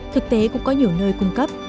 thực tế cũng có nhiều nơi cung cấp